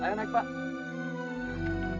ayo pak cepat biar kita urut